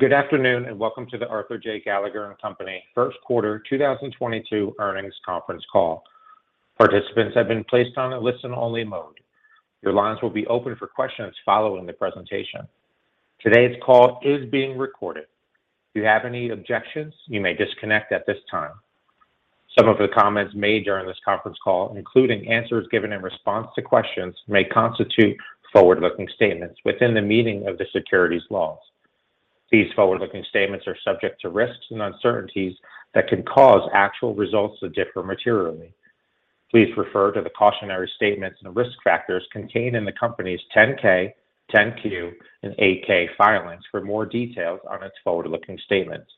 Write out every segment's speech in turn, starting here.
Good afternoon, and Welcome to the Arthur J. Gallagher & Co. first quarter 2022 Earnings Conference Call. Participants have been placed on a listen-only mode. Your lines will be open for questions following the presentation. Today's call is being recorded. If you have any objections, you may disconnect at this time. Some of the comments made during this conference call, including answers given in response to questions, may constitute forward-looking statements within the meaning of the securities laws. These forward-looking statements are subject to risks and uncertainties that can cause actual results to differ materially. Please refer to the cautionary statements and risk factors contained in the company's 10-K, 10-Q, and 8-K filings for more details on its forward-looking statements.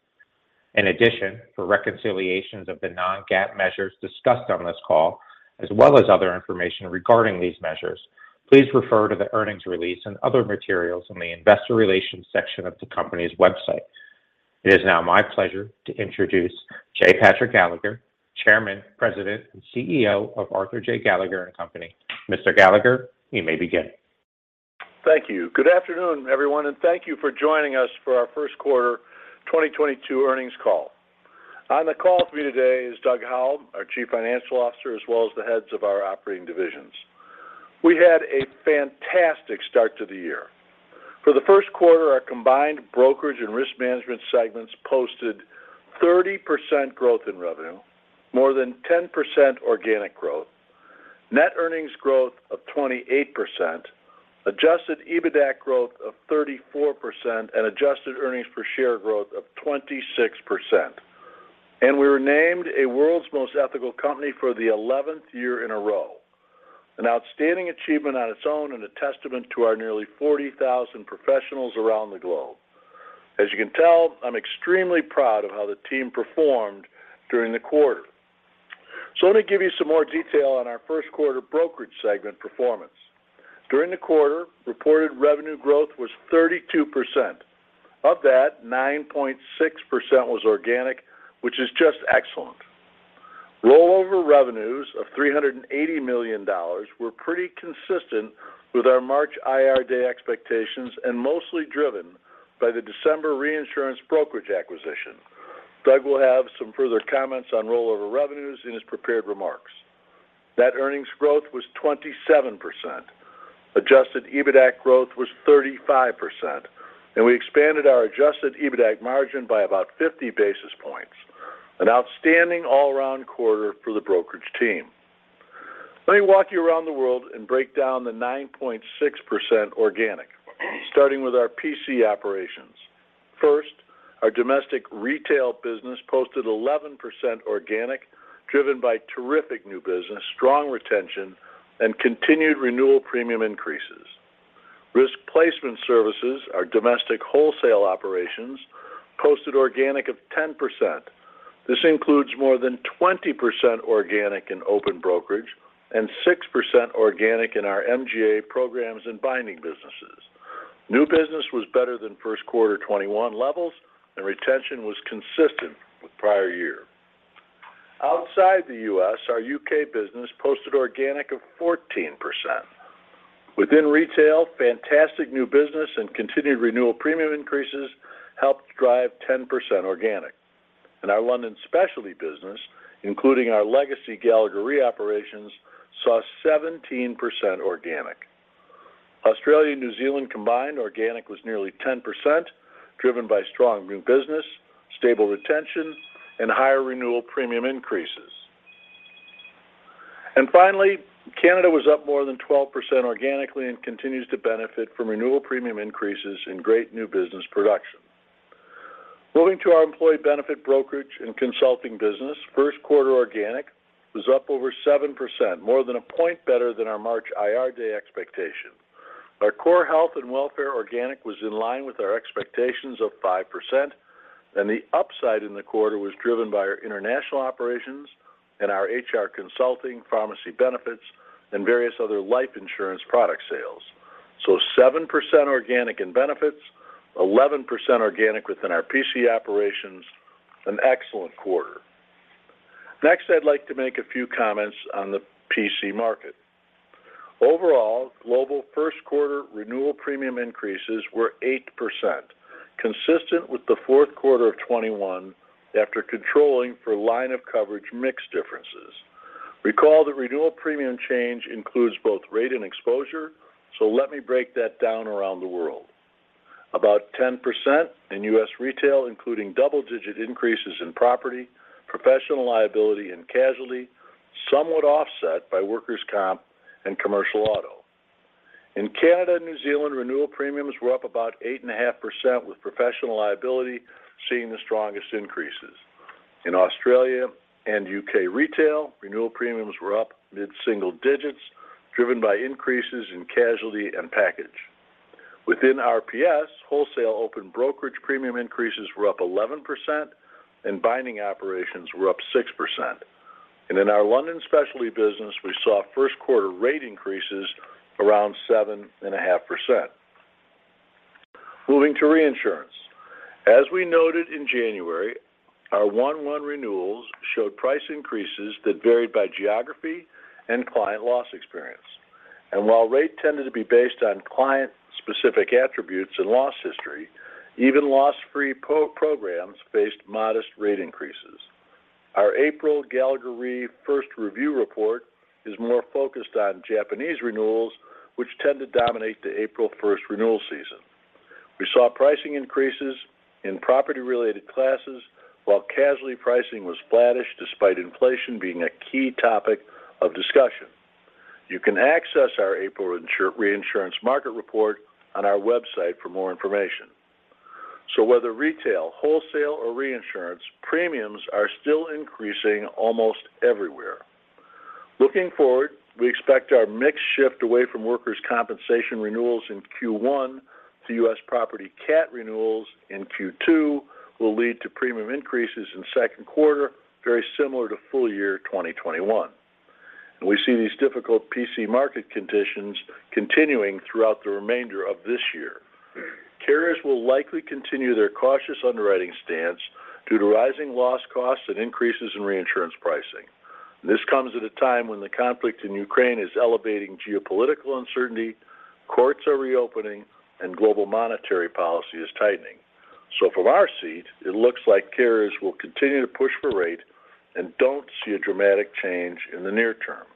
In addition, for reconciliations of the non-GAAP measures discussed on this call, as well as other information regarding these measures, please refer to the earnings release and other materials in the investor relations section of the company's website. It is now my pleasure to introduce J. Patrick Gallagher, Chairman, President, and Chief Executive Officer of Arthur J. Gallagher & Co. Mr. Gallagher, you may begin. Thank you. Good afternoon, everyone, and thank you for joining us for our first quarter 2022 earnings call. On the call with me today is Doug Howell, our Chief Financial Officer, as well as the heads of our operating divisions. We had a fantastic start to the year. For the first quarter, our combined brokerage and risk management segments posted 30% growth in revenue, more than 10% organic growth, net earnings growth of 28%, adjusted EBITDAC growth of 34%, and adjusted earnings per share growth of 26%. We were named a world's most ethical company for the 11th year in a row, an outstanding achievement on its own and a testament to our nearly 40,000 professionals around the globe. As you can tell, I'm extremely proud of how the team performed during the quarter. Let me give you some more detail on our first quarter brokerage segment performance. During the quarter, reported revenue growth was 32%. Of that, 9.6% was organic, which is just excellent. Rollover revenues of $380 million were pretty consistent with our March IR day expectations and mostly driven by the December reinsurance brokerage acquisition. Doug will have some further comments on rollover revenues in his prepared remarks. That earnings growth was 27%. Adjusted EBITDAC growth was 35%. We expanded our adjusted EBITDAC margin by about 50 basis points, an outstanding all-around quarter for the brokerage team. Let me walk you around the world and break down the 9.6% organic, starting with our P&C operations. First, our domestic retail business posted 11% organic, driven by terrific new business, strong retention, and continued renewal premium increases. Risk Placement Services, our domestic wholesale operations, posted organic of 10%. This includes more than 20% organic in open brokerage and 6% organic in our MGA programs and binding businesses. New business was better than first quarter 2021 levels, and retention was consistent with prior year. Outside the U.S., our U.K. business posted organic of 14%. Within retail, fantastic new business and continued renewal premium increases helped drive 10% organic. In our London specialty business, including our legacy Gallagher Re operations, saw 17% organic. Australia, New Zealand combined organic was nearly 10%, driven by strong new business, stable retention, and higher renewal premium increases. Finally, Canada was up more than 12% organically and continues to benefit from renewal premium increases in great new business production. Moving to our employee benefit brokerage and consulting business, first quarter organic was up over 7%, more than a point better than our March IR day expectation. Our core health and welfare organic was in line with our expectations of 5%, and the upside in the quarter was driven by our international operations and our HR consulting, pharmacy benefits, and various other life insurance product sales. Seven percent organic in benefits, 11% organic within our P&C operations, an excellent quarter. Next, I'd like to make a few comments on the P&C market. Overall, global first quarter renewal premium increases were 8%, consistent with the fourth quarter of 2021 after controlling for line of coverage mix differences. Recall that renewal premium change includes both rate and exposure, so let me break that down around the world. About 10% in U.S. retail, including double-digit increases in property, professional liability and casualty, somewhat offset by workers' comp and commercial auto. In Canada and New Zealand, renewal premiums were up about 8.5%, with professional liability seeing the strongest increases. In Australia and U.K. retail, renewal premiums were up mid-single digits, driven by increases in casualty and package. Within RPS, wholesale open brokerage premium increases were up 11% and binding operations were up 6%. In our London specialty business, we saw first quarter rate increases around 7.5%. Moving to reinsurance. As we noted in January, our 1-1 renewals showed price increases that varied by geography and client loss experience. While rate tended to be based on client specific attributes and loss history, even loss-free pro rata programs faced modest rate increases. Our April Gallagher Re first review report is more focused on Japanese renewals which tend to dominate the April first renewal season. We saw pricing increases in property related classes while casualty pricing was flattish despite inflation being a key topic of discussion. You can access our April reinsurance market report on our website for more information. Whether retail, wholesale or reinsurance, premiums are still increasing almost everywhere. Looking forward, we expect our mix shift away from workers' compensation renewals in Q1 to U.S. property cat renewals in Q2 will lead to premium increases in second quarter, very similar to full year 2021. We see these difficult P&C market conditions continuing throughout the remainder of this year. Carriers will likely continue their cautious underwriting stance due to rising loss costs and increases in reinsurance pricing. This comes at a time when the conflict in Ukraine is elevating geopolitical uncertainty, courts are reopening and global monetary policy is tightening. From our seat, it looks like carriers will continue to push for rates and don't see a dramatic change in the near term.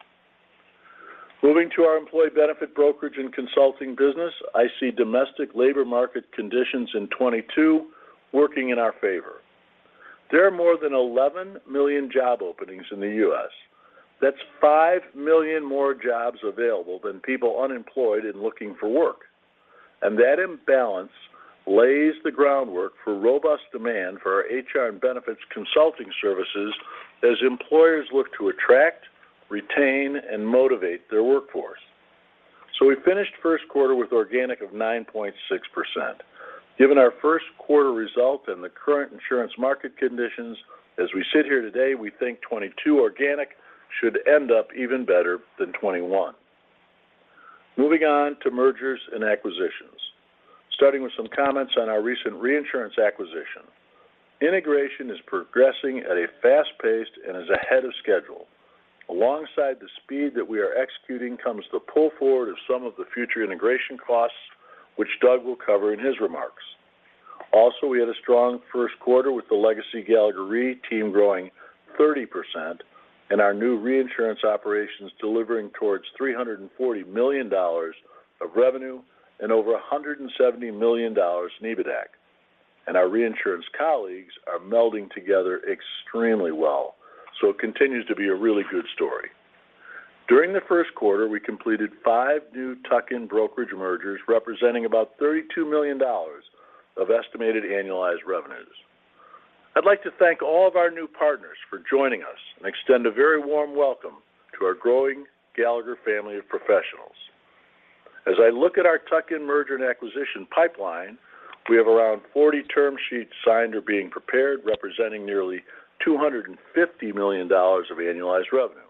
Moving to our employee benefit brokerage and consulting business, I see domestic labor market conditions in 2022 working in our favor. There are more than 11 million job openings in the U.S. That's 5 million more jobs available than people unemployed and looking for work. That imbalance lays the groundwork for robust demand for our HR and benefits consulting services as employers look to attract, retain, and motivate their workforce. We finished first quarter with organic of 9.6%. Given our first quarter result and the current insurance market conditions as we sit here today, we think 2022 organic should end up even better than 2021. Moving on to mergers and acquisitions. Starting with some comments on our recent reinsurance acquisition. Integration is progressing at a fast paced and is ahead of schedule. Alongside the speed that we are executing comes the pull forward of some of the future integration costs, which Doug will cover in his remarks. Also, we had a strong first quarter with the legacy Gallagher Re team growing 30% and our new reinsurance operations delivering toward $340 million of revenue and over $170 million in EBITDAC. Our reinsurance colleagues are melding together extremely well. It continues to be a really good story. During the first quarter, we completed five new tuck-in brokerage mergers representing about $32 million of estimated annualized revenues. I'd like to thank all of our new partners for joining us and extend a very warm welcome to our growing Gallagher family of professionals. As I look at our tuck-in merger and acquisition pipeline, we have around 40 term sheets signed or being prepared, representing nearly $250 million of annualized revenue.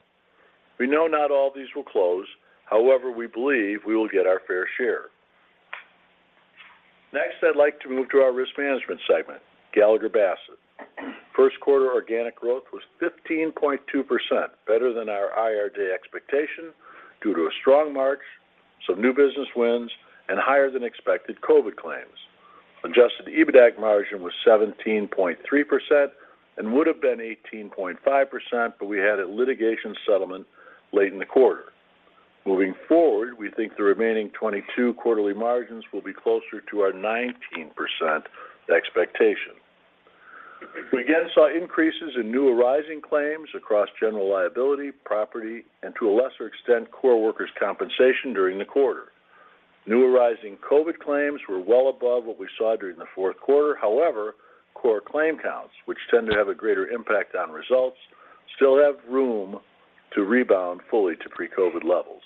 We know not all these will close. However, we believe we will get our fair share. Next, I'd like to move to our risk management segment, Gallagher Bassett. First quarter organic growth was 15.2%, better than our IR Day expectation due to a strong March, some new business wins, and higher than expected COVID claims. Adjusted EBITDAC margin was 17.3% and would have been 18.5%, but we had a litigation settlement late in the quarter. Moving forward, we think the remaining 22 quarterly margins will be closer to our 19% expectation. We again saw increases in new arising claims across general liability, property, and to a lesser extent, core workers' compensation during the quarter. New arising COVID claims were well above what we saw during the fourth quarter. However, core claim counts, which tend to have a greater impact on results, still have room to rebound fully to pre-COVID levels.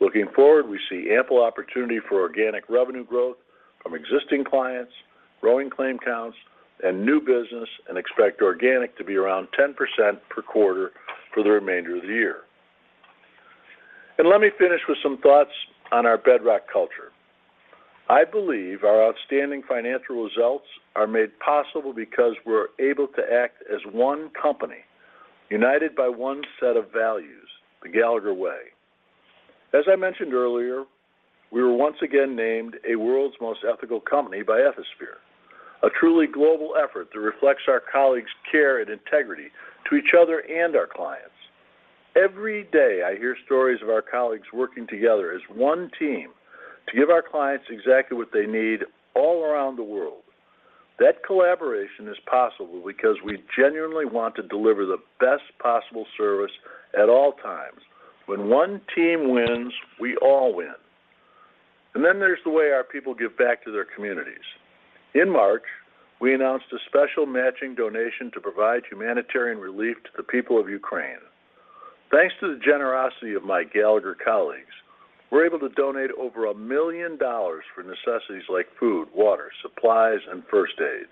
Looking forward, we see ample opportunity for organic revenue growth from existing clients, growing claim counts, and new business and expect organic to be around 10% per quarter for the remainder of the year. Let me finish with some thoughts on our bedrock culture. I believe our outstanding financial results are made possible because we're able to act as one company, united by one set of values, the Gallagher way. As I mentioned earlier, we were once again named a world's most ethical company by Ethisphere, a truly global effort that reflects our colleagues' care and integrity to each other and our clients. Every day, I hear stories of our colleagues working together as one team to give our clients exactly what they need all around the world. That collaboration is possible because we genuinely want to deliver the best possible service at all times. When one team wins, we all win. There's the way our people give back to their communities. In March, we announced a special matching donation to provide humanitarian relief to the people of Ukraine. Thanks to the generosity of my Gallagher colleagues, we're able to donate over $1 million for necessities like food, water, supplies, and first aid.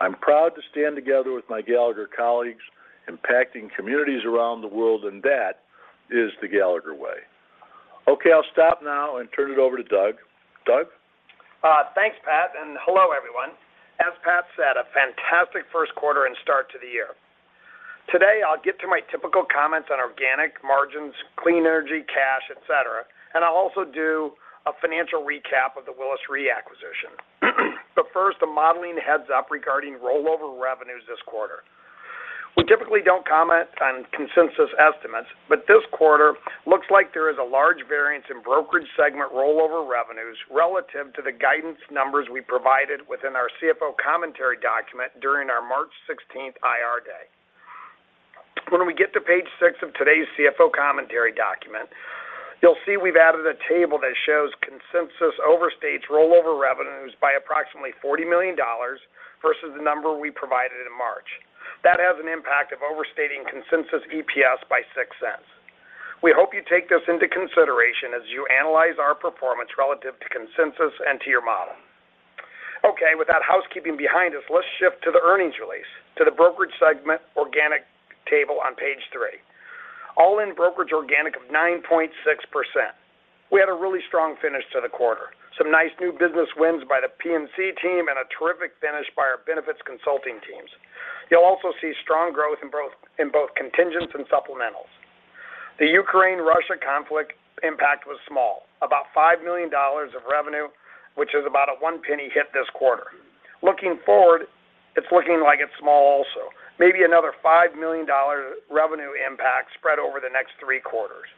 I'm proud to stand together with my Gallagher colleagues, impacting communities around the world, and that is the Gallagher way. Okay, I'll stop now and turn it over to Doug. Doug? Thanks, Pat, and hello, everyone. As Pat said, a fantastic first quarter and start to the year. Today, I'll get to my typical comments on organic margins, clean energy, cash, etc. I'll also do a financial recap of the Willis Re acquisition. First, a modeling heads-up regarding rollover revenues this quarter. We typically don't comment on consensus estimates, but this quarter looks like there is a large variance in brokerage segment rollover revenues relative to the guidance numbers we provided within our CFO Commentary document during our March 16th IR day. When we get to page six of today's CFO Commentary document, you'll see we've added a table that shows consensus overstates rollover revenues by approximately $40 million versus the number we provided in March. That has an impact of overstating consensus EPS by $0.06. We hope you take this into consideration as you analyze our performance relative to consensus and to your model. Okay, with that housekeeping behind us, let's shift to the earnings release to the brokerage segment organic table on page three. All-in brokerage organic of 9.6%. We had a really strong finish to the quarter. Some nice new business wins by the P&C team and a terrific finish by our benefits consulting teams. You'll also see strong growth in both contingents and supplementals. The Ukraine-Russia conflict impact was small, about $5 million of revenue, which is about a one penny hit this quarter. Looking forward, it's looking like it's small also, maybe another $5 million revenue impact spread over the next three quarters.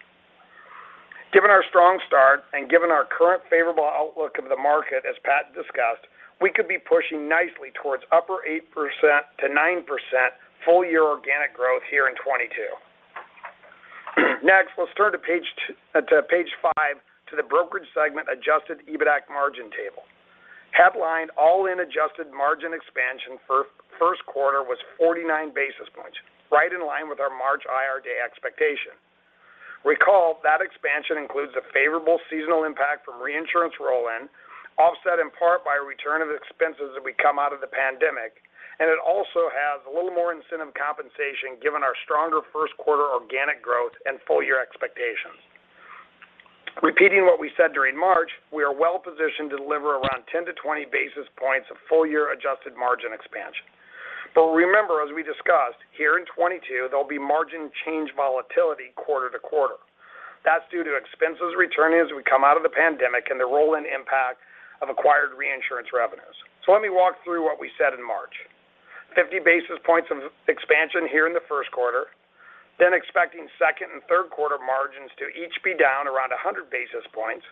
Given our strong start and given our current favorable outlook of the market, as Pat discussed, we could be pushing nicely towards upper 8%-9% full-year organic growth here in 2022. Next, let's turn to page five to the brokerage segment adjusted EBITDAC margin table. Headlined all in adjusted margin expansion for first quarter was 49 basis points, right in line with our March IR day expectation. Recall that expansion includes a favorable seasonal impact from reinsurance roll-in, offset in part by a return of expenses as we come out of the pandemic. It also has a little more incentive compensation given our stronger first quarter organic growth and full-year expectations. Repeating what we said during March, we are well positioned to deliver around 10 to 20 basis points of full-year adjusted margin expansion. Remember, as we discussed here in 2022, there'll be margin change volatility quarter to quarter. That's due to expenses returning as we come out of the pandemic and the roll-in impact of acquired reinsurance revenues. Let me walk through what we said in March. 50 basis points of expansion here in the first quarter, then expecting second and third quarter margins to each be down around 100 basis points.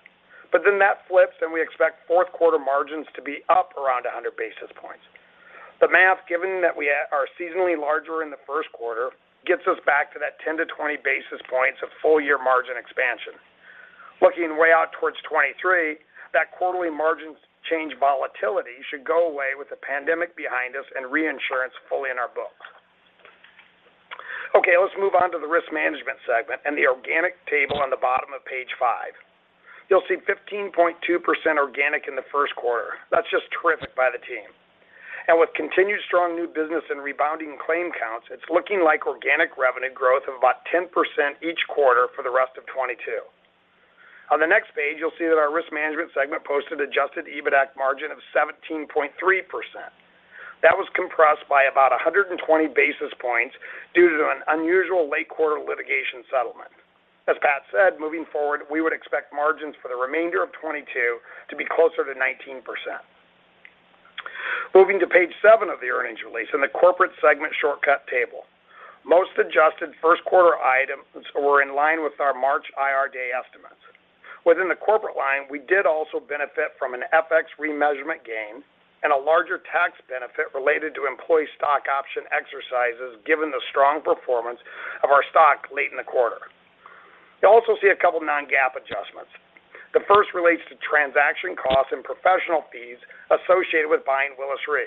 Then that flips, and we expect fourth quarter margins to be up around 100 basis points. The math, given that we are seasonally larger in the first quarter, gets us back to that 10-20 basis points of full-year margin expansion. Looking way out towards 2023, that quarterly margins change volatility should go away with the pandemic behind us and reinsurance fully in our books. Okay, let's move on to the risk management segment and the organic table on the bottom of page five. You'll see 15.2% organic in the first quarter. That's just terrific by the team. With continued strong new business and rebounding claim counts, it's looking like organic revenue growth of about 10% each quarter for the rest of 2022. On the next page, you'll see that our risk management segment posted adjusted EBITDAC margin of 17.3%. That was compressed by about 120 basis points due to an unusual late quarter litigation settlement. As Pat said, moving forward, we would expect margins for the remainder of 2022 to be closer to 19%. Moving to page seven of the earnings release in the corporate segment shortcut table. Most adjusted first quarter items were in line with our March IR day estimates. Within the corporate line, we did also benefit from an FX remeasurement gain and a larger tax benefit related to employee stock option exercises given the strong performance of our stock late in the quarter. You'll also see a couple of non-GAAP adjustments. The first relates to transaction costs and professional fees associated with buying Willis Re.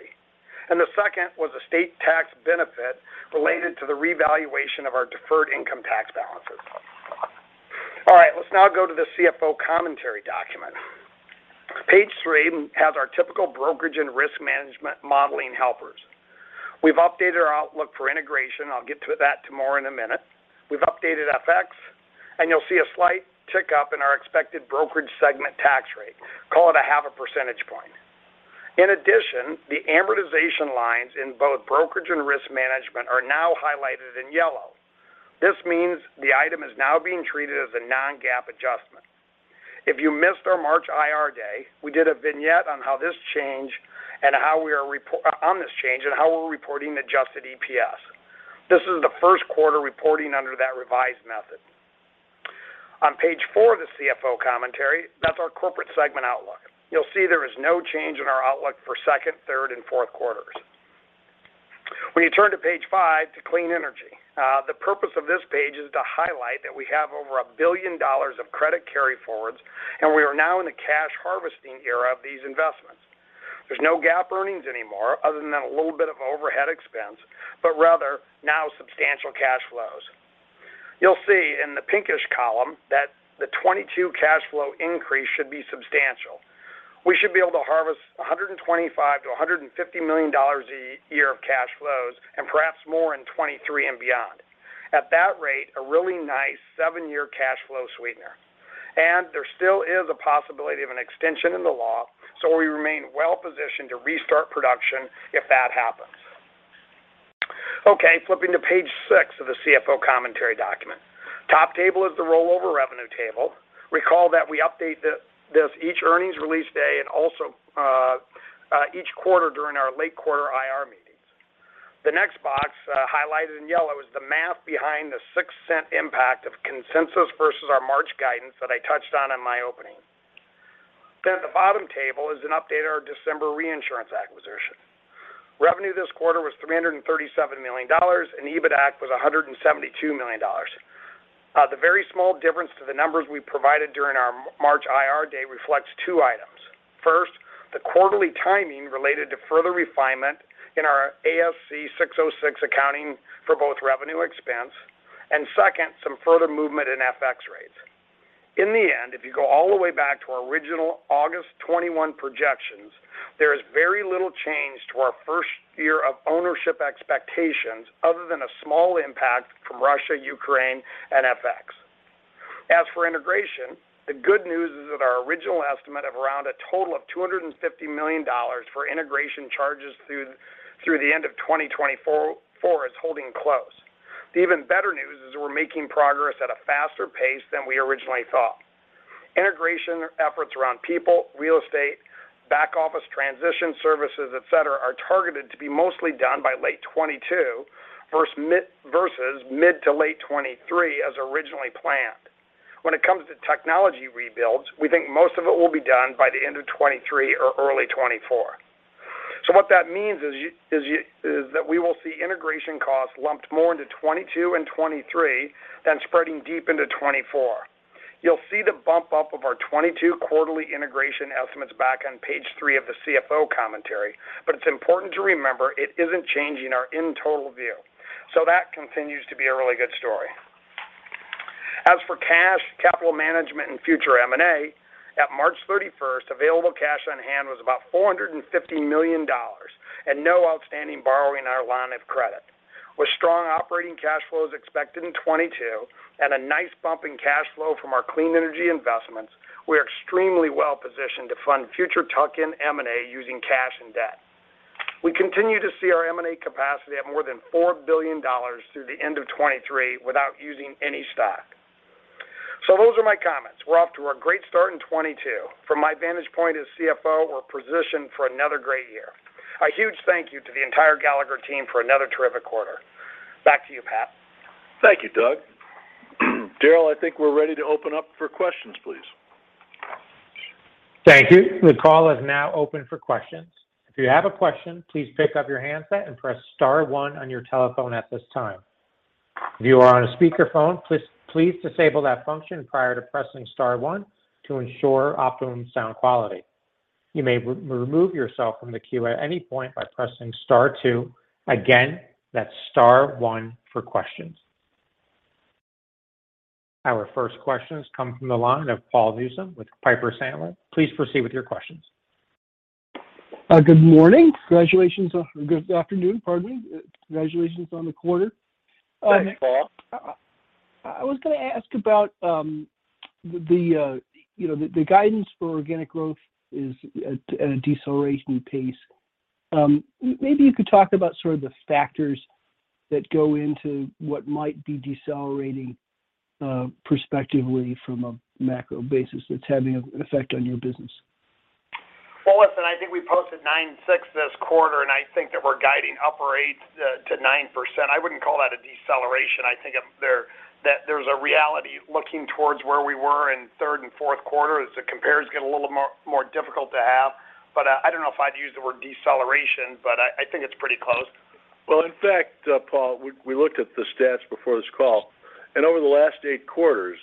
The second was a state tax benefit related to the revaluation of our deferred income tax balances. All right, let's now go to the CFO Commentary document. Page three has our typical brokerage and risk management modeling helpers. We've updated our outlook for integration. I'll get to that more in a minute. We've updated FX, and you'll see a slight tick up in our expected brokerage segment tax rate. Call it a half a percentage point. In addition, the amortization lines in both brokerage and risk management are now highlighted in yellow. This means the item is now being treated as a non-GAAP adjustment. If you missed our March IR day, we did a vignette on how this changed and on this change and how we're reporting adjusted EPS. This is the first quarter reporting under that revised method. On page four of the CFO Commentary, that's our corporate segment outlook. You'll see there is no change in our outlook for second, third, and fourth quarters. When you turn to page five to clean energy, the purpose of this page is to highlight that we have over $1 billion of credit carry forwards, and we are now in the cash harvesting era of these investments. There's no GAAP earnings anymore other than a little bit of overhead expense, but rather now substantial cash flows. You'll see in the pinkish column that the 2022 cash flow increase should be substantial. We should be able to harvest $125 million-$150 million a year of cash flows and perhaps more in 2023 and beyond. At that rate, a really nice seven-year cash flow sweetener. There still is a possibility of an extension in the law, so we remain well-positioned to restart production if that happens. Okay, flipping to page six of the CFO Commentary document. Top table is the rollover revenue table. Recall that we update this each earnings release day and also each quarter during our late quarter IR meetings. The next box highlighted in yellow is the math behind the $0.06 impact of consensus versus our March guidance that I touched on in my opening. At the bottom table is an update on our December reinsurance acquisition. Revenue this quarter was $337 million, and EBITDAC was $172 million. The very small difference to the numbers we provided during our March IR day reflects two items. First, the quarterly timing related to further refinement in our ASC 606 accounting for both revenue and expense. Second, some further movement in FX rates. In the end, if you go all the way back to our original August 2021 projections, there is very little change to our first year of ownership expectations other than a small impact from Russia, Ukraine and FX. As for integration, the good news is that our original estimate of around a total of $250 million for integration charges through the end of 2024 is holding close. The even better news is we're making progress at a faster pace than we originally thought. Integration efforts around people, real estate, back office transition services, et cetera, are targeted to be mostly done by late 2022 versus mid- to late 2023 as originally planned. When it comes to technology rebuilds, we think most of it will be done by the end of 2023 or early 2024. What that means is that we will see integration costs lumped more into 2022 and 2023 than spreading deep into 2024. You'll see the bump up of our 2022 quarterly integration estimates back on page three of the CFO Commentary, but it's important to remember it isn't changing our end total view. That continues to be a really good story. As for cash, capital management and future M&A, at March 31, available cash on hand was about $450 million and no outstanding borrowings on our line of credit. With strong operating cash flows expected in 2022 and a nice bump in cash flow from our clean energy investments, we are extremely well positioned to fund future tuck-in M&A using cash and debt. We continue to see our M&A capacity at more than $4 billion through the end of 2023 without using any stock. Those are my comments. We're off to a great start in 2022. From my vantage point as Chief Financial Officer, we're positioned for another great year. A huge thank you to the entire Gallagher team for another terrific quarter. Back to you, Pat. Thank you, Doug. Daryl, I think we're ready to open up for questions, please. Thank you. The call is now open for questions. If you have a question, please pick up your handset and press star one on your telephone at this time. If you are on a speakerphone, please disable that function prior to pressing star one to ensure optimum sound quality. You may remove yourself from the queue at any point by pressing star two. Again, that's star one for questions. Our first question comes from the line of Paul Newsome with Piper Sandler. Please proceed with your questions. Good afternoon, pardon me. Congratulations on the quarter. Thanks, Paul. I was gonna ask about the guidance for organic growth is at a deceleration pace. Maybe you could talk about sort of the factors that go into what might be decelerating prospectively from a macro basis that's having an effect on your business. Well, listen, I think we posted 9.6% this quarter, and I think that we're guiding upper 8%-9%. I wouldn't call that a deceleration. I think that there's a reality looking towards where we were in third and fourth quarter as the compares get a little more difficult to have. But I don't know if I'd use the word deceleration, but I think it's pretty close. Well, in fact, Paul, we looked at the stats before this call, and over the last eight quarters,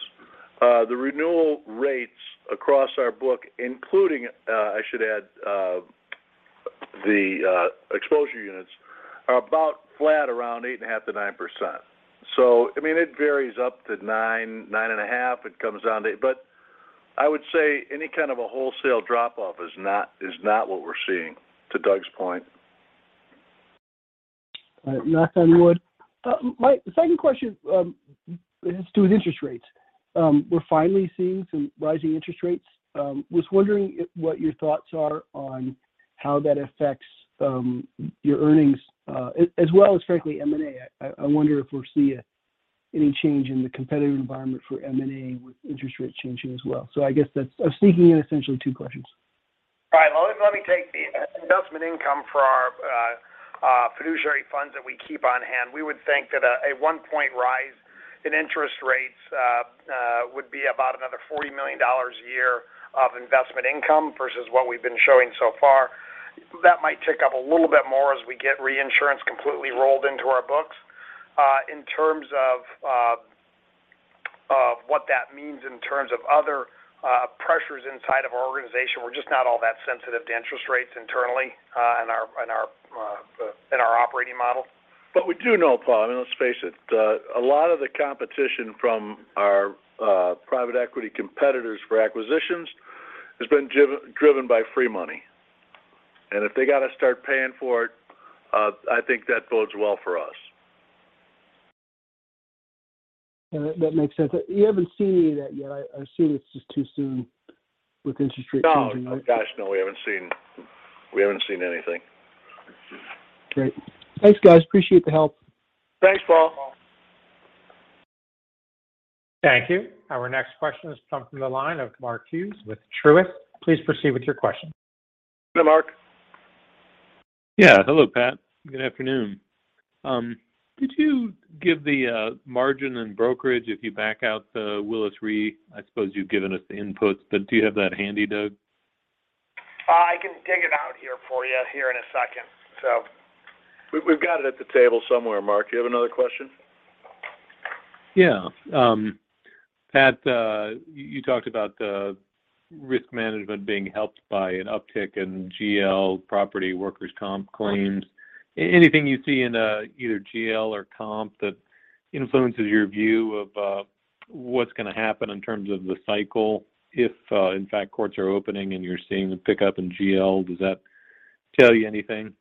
the renewal rates across our book, including, I should add, the exposure units, are about flat around 8.5%-9%. I mean, it varies up to 9.5%. It comes down to 8%. But I would say any kind of a wholesale drop-off is not what we're seeing, to Doug's point. All right. Knock on wood. My second question is to interest rates. We're finally seeing some rising interest rates. Was wondering what your thoughts are on how that affects your earnings as well as frankly, M&A. I wonder if we'll see any change in the competitive environment for M&A with interest rates changing as well. I guess that's. I'm sneaking in essentially two questions. All right. Well let me take the investment income for our fiduciary funds that we keep on hand. We would think that a one point rise in interest rates would be about another $40 million a year of investment income versus what we've been showing so far. That might tick up a little bit more as we get reinsurance completely rolled into our books. In terms of what that means in terms of other pressures inside of our organization, we're just not all that sensitive to interest rates internally in our operating model. We do know, Paul, I mean let's face it, a lot of the competition from our private equity competitors for acquisitions has been driven by free money. If they got to start paying for it, I think that bodes well for us. Yeah, that makes sense. You haven't seen any of that yet. I assume it's just too soon with interest rates rising, right? No. Gosh, no, we haven't seen anything. Great. Thanks, guys. Appreciate the help. Thanks, Paul. Thank you. Our next question is coming from the line of Mark Hughes with Truist. Please proceed with your question. Hey, Mark. Yeah. Hello, Pat. Good afternoon. Did you give the margin and brokerage if you back out the Willis Re? I suppose you've given us the inputs, but do you have that handy, Doug? I can dig it out here for you in a second. We've got it at the table somewhere, Mark. Do you have another question? Yeah. Pat, you talked about the risk management being helped by an uptick in GL property workers' comp claims. Anything you see in either GL or comp that influences your view of what's gonna happen in terms of the cycle if in fact courts are opening and you're seeing a pickup in GL, does that tell you anything?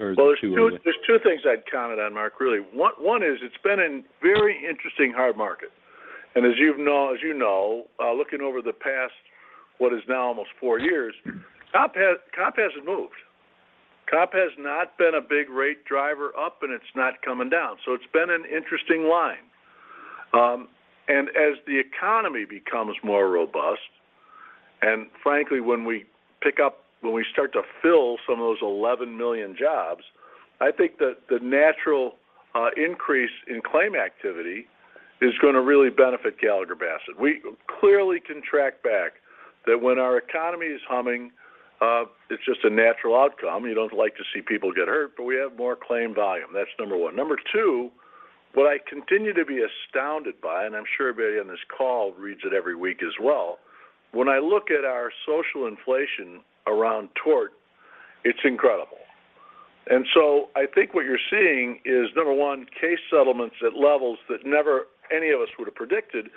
Or is it too early? Well, there are two things I'd comment on, Mark, really. One is it's been a very interesting hard market. As you know, looking over the past, what is now almost four years, comp hasn't moved. Comp has not been a big rate driver up and it's not coming down. It's been an interesting line. As the economy becomes more robust, and frankly, when we start to fill some of those 11 million jobs, I think that the natural increase in claim activity is gonna really benefit Gallagher Bassett. We clearly can track back that when our economy is humming, it's just a natural outcome. You don't like to see people get hurt, but we have more claim volume. That's number one. Number two, what I continue to be astounded by, and I'm sure everybody on this call reads it every week as well, when I look at our social inflation around tort, it's incredible. I think what you're seeing is, number one, case settlements at levels that never any of us would have predicted.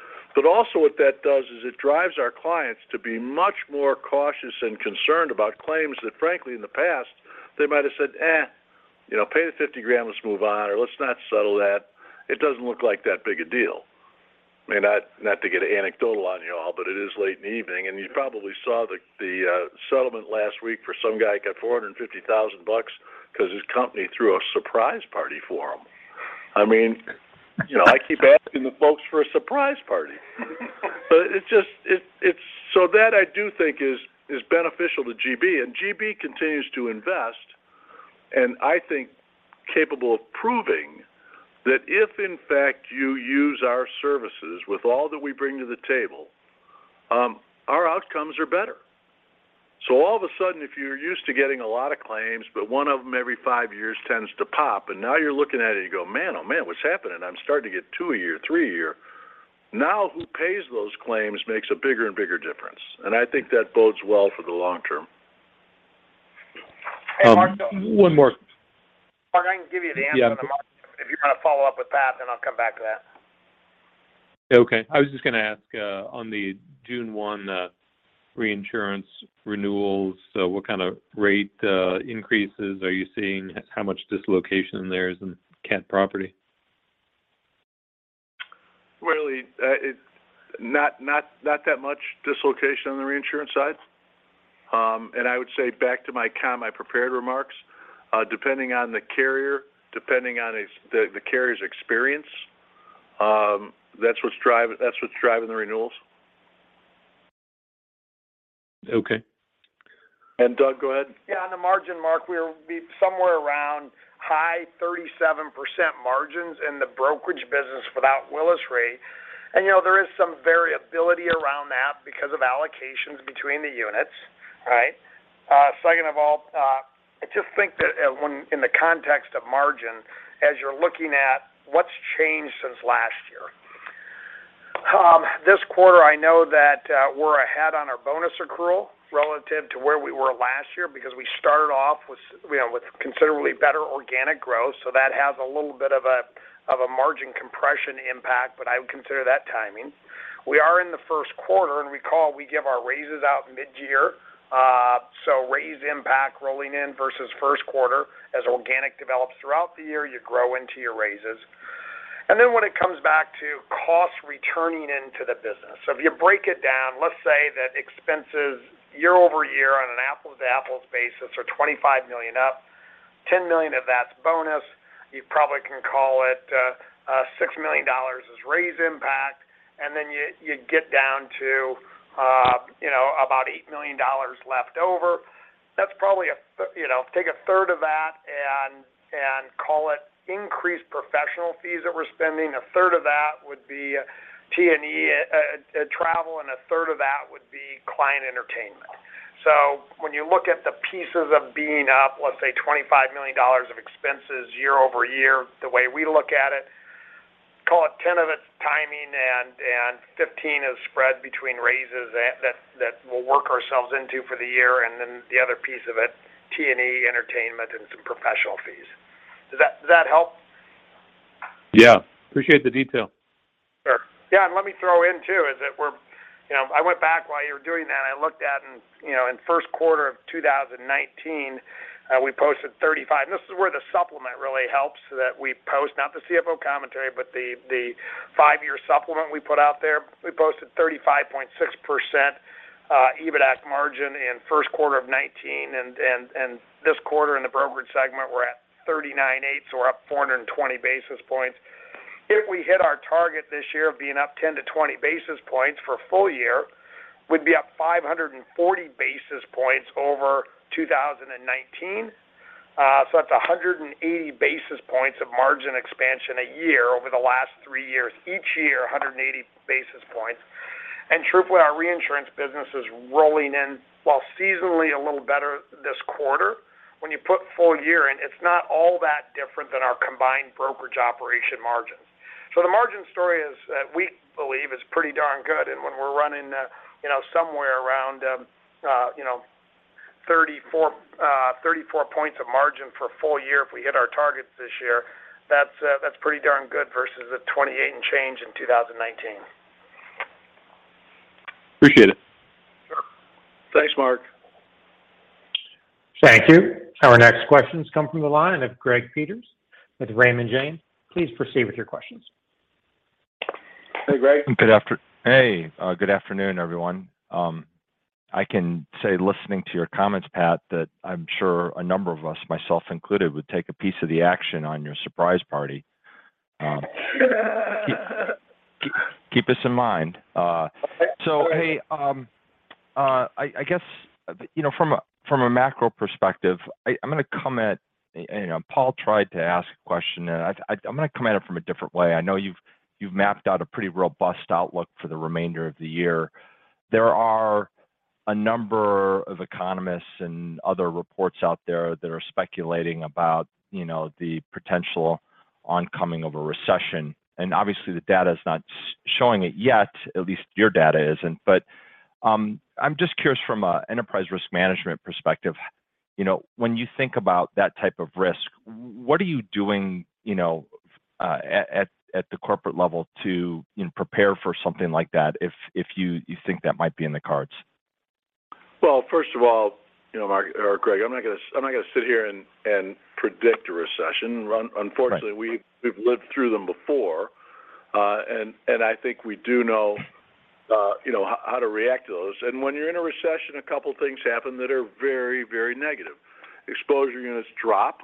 Also what that does is it drives our clients to be much more cautious and concerned about claims that frankly, in the past, they might have said, "Eh, you know, pay the $50,000, let's move on," or, "Let's not settle that. It doesn't look like that big a deal." I mean, not to get anecdotal on you all, but it is late in the evening, and you probably saw the settlement last week for some guy got $450,000 'cause his company threw a surprise party for him. I mean, you know, I keep asking the folks for a surprise party. It just, it's beneficial to GB, and GB continues to invest, and I think capable of proving that if, in fact, you use our services with all that we bring to the table, our outcomes are better. All of a sudden, if you're used to getting a lot of claims, but one of them every five years tends to pop, and now you're looking at it and you go, "Man, oh, man, what's happening? I'm starting to get two a year, three a year," now who pays those claims makes a bigger and bigger difference. I think that bodes well for the long term. Hey, Mark- One more. Mark, I can give you the answer. Yeah. On the margin. If you wanna follow up with Pat, then I'll come back to that. Okay. I was just gonna ask, on the June 1 reinsurance renewals, so what kind of rate increases are you seeing? How much dislocation there is in cat property? Really, it's not that much dislocation on the reinsurance side. I would say back to my prepared remarks, depending on the carrier, depending on the carrier's experience, that's what's driving the renewals. Okay. Doug, go ahead. Yeah. On the margin, Mark, we'll be somewhere around high 37% margins in the brokerage business without Willis Re. You know, there is some variability around that because of allocations between the units, right? Second of all, I just think that in the context of margin, as you're looking at what's changed since last year. This quarter, I know that we're ahead on our bonus accrual relative to where we were last year because we started off with, you know, with considerably better organic growth, so that has a little bit of a margin compression impact, but I would consider that timing. We are in the first quarter, and recall, we give our raises out mid-year, so raise impact rolling in versus first quarter. As organic develops throughout the year, you grow into your raises. When it comes back to costs returning into the business. If you break it down, let's say that expenses year-over-year on an apples-to-apples basis are $25 million up, $10 million of that's bonus. You probably can call it, $6 million is raise impact, and then you get down to, you know, about $8 million left over. That's probably a, you know, take a third of that and call it increased professional fees that we're spending. A third of that would be T&E, travel, and a third of that would be client entertainment. When you look at the pieces of being up, let's say, $25 million of expenses year-over-year, the way we look at it, call it $10 million of it timing and $15 million is spread between raises that we'll work ourselves into for the year, and then the other piece of it, T&E entertainment and some professional fees. Does that help? Yeah. Appreciate the detail. Sure. Yeah. Let me throw in too is that we're, you know, I went back while you were doing that, I looked at and, you know, in first quarter of 2019, we posted 35. And this is where the supplement really helps so that we post, not the CFO Commentary, but the five-year supplement we put out there. We posted 35.6% EBITDAC margin in first quarter of 2019 and this quarter in the brokerage segment, we're at 39.8, so we're up 420 basis points. If we hit our target this year of being up 10-20 basis points for a full year, we'd be up 540 basis points over 2019. That's 180 basis points of margin expansion a year over the last three years, each year, 180 basis points. Truthfully, our reinsurance business is rolling in while seasonally a little better this quarter. When you put full year in, it's not all that different than our combined brokerage operation margins. The margin story is, we believe, is pretty darn good. When we're running, you know, somewhere around, you know, 34% margin for a full year if we hit our targets this year, that's pretty darn good versus the 28% and change in 2019. Appreciate it. Sure. Thanks, Mark. Thank you. Our next questions come from the line of Gregory Peters with Raymond James. Please proceed with your questions. Hey, Gregory. Good afternoon, everyone. I can say, listening to your comments, Pat, that I'm sure a number of us, myself included, would take a piece of the action on your surprise party. Keep this in mind. Okay. Hey, I guess you know, from a macro perspective, I'm gonna comment. You know, Paul tried to ask a question, and I'm gonna come at it from a different way. I know you've mapped out a pretty robust outlook for the remainder of the year. There are a number of economists and other reports out there that are speculating about, you know, the potential oncoming of a recession. Obviously, the data is not showing it yet, at least your data isn't. I'm just curious from a enterprise risk management perspective, you know, when you think about that type of risk, what are you doing, you know, at the corporate level to, you know, prepare for something like that if you think that might be in the cards? Well, first of all, you know, Mark or Greg, I'm not gonna sit here and predict a recession. Unfortunately- Right We've lived through them before. I think we do know, you know, how to react to those. When you're in a recession, a couple things happen that are very, very negative. Exposure units drop,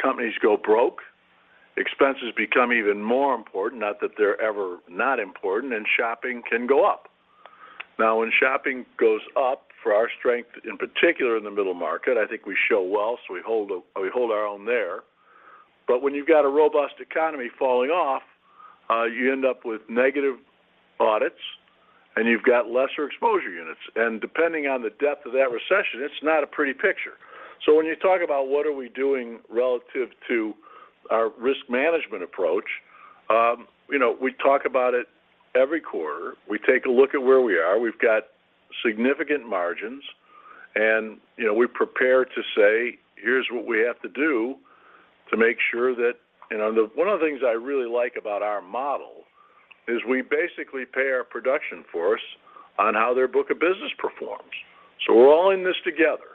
companies go broke, expenses become even more important, not that they're ever not important, and shopping can go up. Now, when shopping goes up for our strength, in particular in the middle market, I think we show well, so we hold our own there. But when you've got a robust economy falling off, you end up with negative audits, and you've got lesser exposure units. Depending on the depth of that recession, it's not a pretty picture. When you talk about what are we doing relative to our risk management approach, you know, we talk about it every quarter. We take a look at where we are. We've got significant margins, and, you know, we prepare to say, "Here's what we have to do to make sure that." You know, one of the things I really like about our model is we basically pay our production force on how their book of business performs. We're all in this together.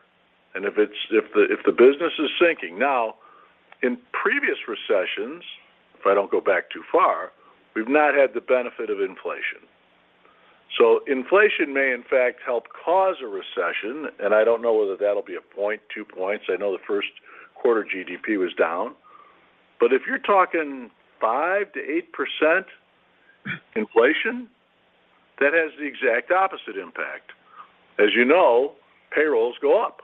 If the business is sinking. Now, in previous recessions, if I don't go back too far, we've not had the benefit of inflation. Inflation may in fact help cause a recession, and I don't know whether that'll be a point, two points. I know the first quarter GDP was down. If you're talking 5%-8% inflation, that has the exact opposite impact. As you know, payrolls go up.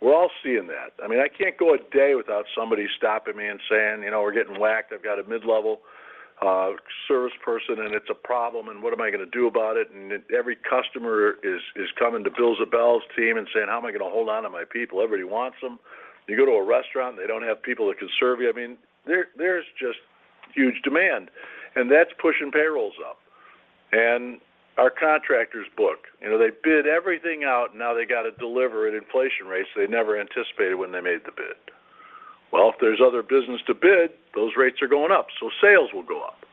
We're all seeing that. I mean, I can't go a day without somebody stopping me and saying, "You know, we're getting whacked. I've got a mid-level service person, and it's a problem, and what am I gonna do about it?" Every customer is coming to Bill Ziebell's team and saying, "How am I gonna hold on to my people? Everybody wants them." You go to a restaurant, and they don't have people that can serve you. I mean, there's just huge demand, and that's pushing payrolls up. Our contractors book, you know, they bid everything out, now they gotta deliver at inflation rates they never anticipated when they made the bid. Well, if there's other business to bid, those rates are going up, so sales will go up.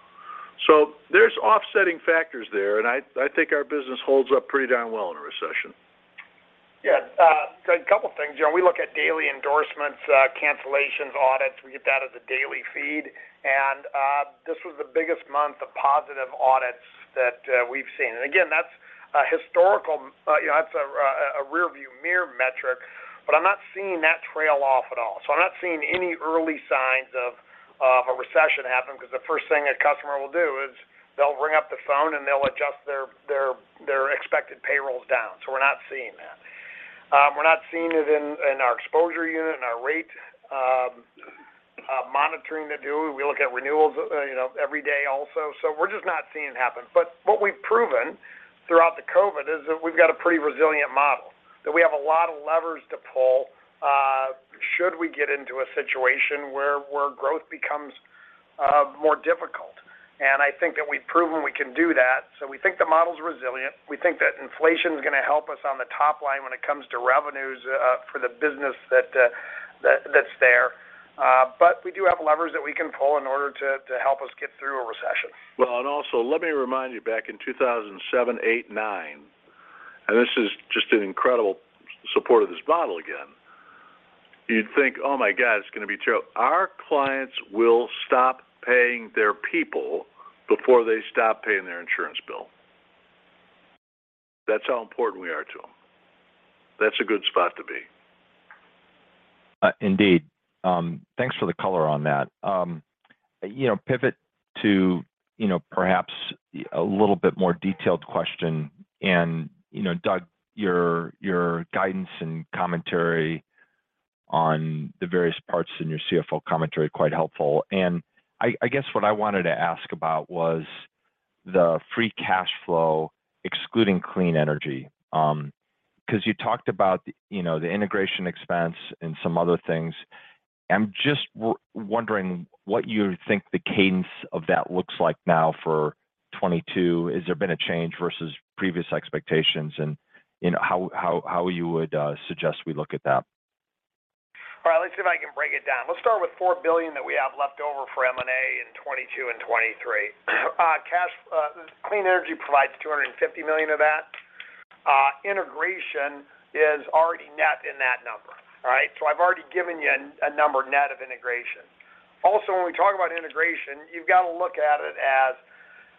There's offsetting factors there, and I think our business holds up pretty darn well in a recession. Yeah. A couple things. You know, we look at daily endorsements, cancellations, audits. We get that as a daily feed. This was the biggest month of positive audits that we've seen. Again, that's a historical, you know, that's a rear view mirror metric, but I'm not seeing that trail off at all. I'm not seeing any early signs of a recession happening because the first thing a customer will do is they'll ring up the phone, and they'll adjust their expected payrolls down. We're not seeing that. We're not seeing it in our exposure unit and our rate monitoring, too. We look at renewals, you know, every day also. We're just not seeing it happen. What we've proven throughout the COVID is that we've got a pretty resilient model, that we have a lot of levers to pull, should we get into a situation where growth becomes more difficult. I think that we've proven we can do that. We think the model's resilient. We think that inflation's gonna help us on the top line when it comes to revenues for the business that that's there. We do have levers that we can pull in order to help us get through a recession. Well, let me remind you back in 2007, 2008, 2009. This is just an incredible support of this model again. You'd think, oh my God, it's going to be terrible. Our clients will stop paying their people before they stop paying their insurance bill. That's how important we are to them. That's a good spot to be. Indeed. Thanks for the color on that. You know, pivot to, you know, perhaps a little bit more detailed question and, you know, Doug, your guidance and commentary on the various parts in your CFO Commentary, quite helpful. I guess what I wanted to ask about was the free cash flow excluding clean energy. Because you talked about, you know, the integration expense and some other things. I'm just wondering what you think the cadence of that looks like now for 2022. Has there been a change versus previous expectations? You know, how you would suggest we look at that? All right, let's see if I can break it down. Let's start with $4 billion that we have left over for M&A in 2022 and 2023. Cash. Clean energy provides $250 million of that. Integration is already net in that number. All right. I've already given you a number net of integration. Also, when we talk about integration, you've got to look at it as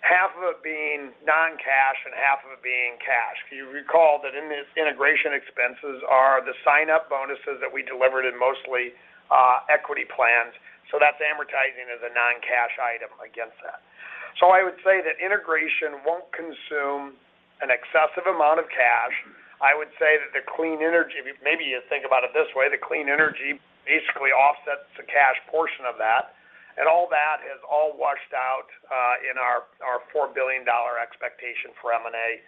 half of it being non-cash and half of it being cash. You recall that in this integration expenses are the sign-up bonuses that we delivered in mostly equity plans. So that's amortizing as a non-cash item against that. I would say that integration won't consume an excessive amount of cash. I would say that the clean energy, maybe you think about it this way, the clean energy basically offsets the cash portion of that, and all that is washed out in our $4 billion expectation for M&A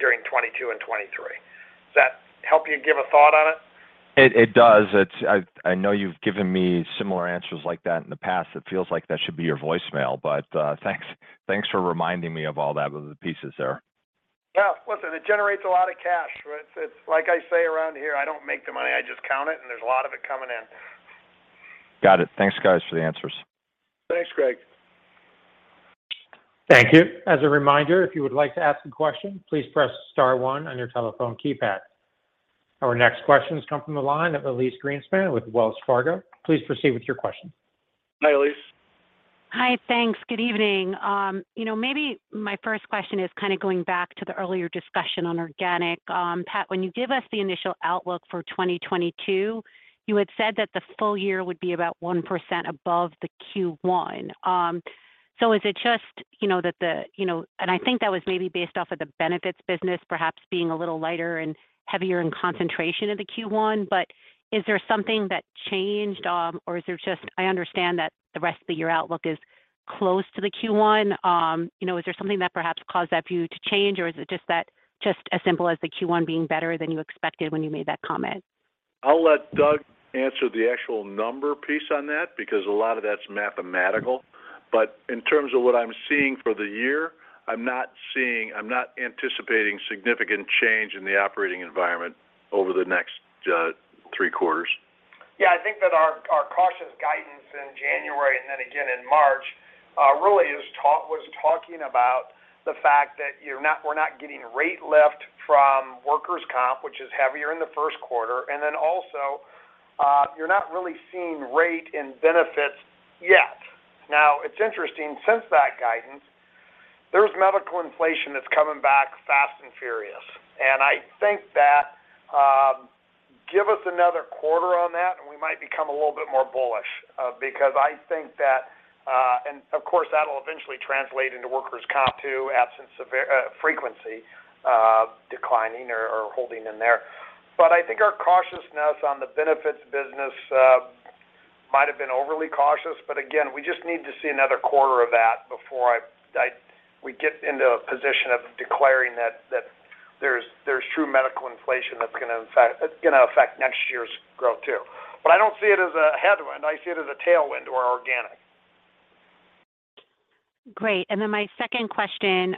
during 2022 and 2023. Does that help you give a thought on it? It does. It's. I know you've given me similar answers like that in the past. It feels like that should be your voicemail. Thanks for reminding me of all that with the pieces there. Yeah. Listen, it generates a lot of cash. It's like I say around here, I don't make the money, I just count it, and there's a lot of it coming in. Got it. Thanks, guys, for the answers. Thanks, Greg. Thank you. As a reminder, if you would like to ask a question, please press star one on your telephone keypad. Our next question has come from the line of Elyse Greenspan with Wells Fargo. Please proceed with your question. Hi, Elyse. Hi. Thanks. Good evening. You know, maybe my first question is kind of going back to the earlier discussion on organic. Pat, when you give us the initial outlook for 2022, you had said that the full year would be about 1% above the Q1. So is it just, you know, that the, you know, and I think that was maybe based off of the benefits business perhaps being a little lighter and heavier in concentration of the Q1. But is there something that changed, or is there just I understand that the rest of the year outlook is close to the Q1. You know, is there something that perhaps caused that view to change, or is it just that as simple as the Q1 being better than you expected when you made that comment? I'll let Doug answer the actual number piece on that because a lot of that's mathematical. In terms of what I'm seeing for the year, I'm not anticipating significant change in the operating environment over the next three quarters. Yeah, I think that our cautious guidance in January and then again in March really was talking about the fact that we're not getting rate lift from workers' comp, which is heavier in the first quarter. Also, you're not really seeing rate in benefits yet. Now, it's interesting since that guidance, there's medical inflation that's coming back fast and furious. I think that, give us another quarter on that, and we might become a little bit more bullish, because I think that, and of course, that'll eventually translate into workers' comp too, absence of frequency declining or holding in there. I think our cautiousness on the benefits business might have been overly cautious, but again, we just need to see another quarter of that before we get into a position of declaring that there's true medical inflation that's gonna affect next year's growth too. I don't see it as a headwind, I see it as a tailwind or organic. Great. Then my second question,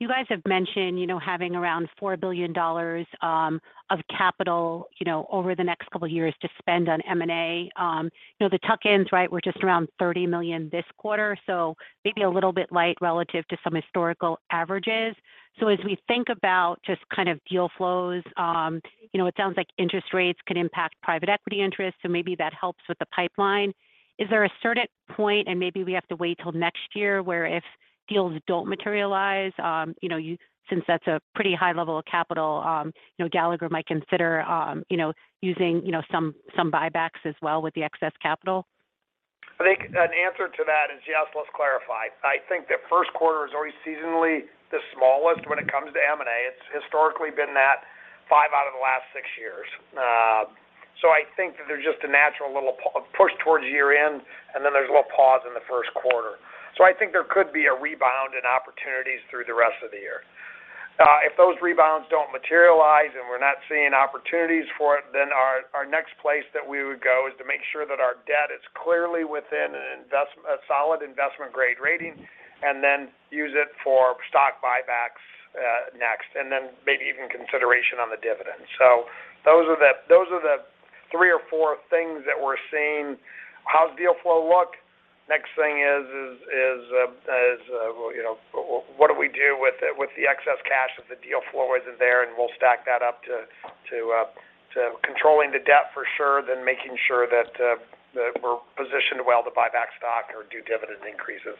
you guys have mentioned, you know, having around $4 billion of capital, you know, over the next couple of years to spend on M&A. You know, the tuck-ins, right, were just around $30 million this quarter, so maybe a little bit light relative to some historical averages. So as we think about just kind of deal flows, you know, it sounds like interest rates could impact private equity interest, so maybe that helps with the pipeline. Is there a certain point, and maybe we have to wait till next year, where if deals don't materialize, you know, since that's a pretty high level of capital, you know, Gallagher might consider, you know, using you know some buybacks as well with the excess capital? I think an answer to that is yes. Let's clarify. I think the first quarter is already seasonally the smallest when it comes to M&A. It's historically been that five out of the last six years. So I think that there's just a natural little push towards year-end, and then there's a little pause in the first quarter. So I think there could be a rebound in opportunities through the rest of the year. If those rebounds don't materialize and we're not seeing opportunities for it, then our next place that we would go is to make sure that our debt is clearly within a solid investment grade rating, and then use it for stock buybacks, next, and then maybe even consideration on the dividend. So those are the three or four things that we're seeing. How's deal flow look? Next thing is, well, you know, what do we do with the excess cash if the deal flow is there, and we'll stack that up to controlling the debt for sure, then making sure that we're positioned well to buy back stock or do dividend increases.